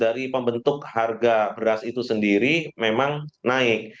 dari pembentuk harga beras itu sendiri memang naik